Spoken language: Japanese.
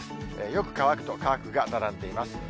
よく乾くと乾くが並んでいます。